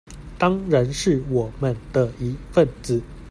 當然是我們的一分子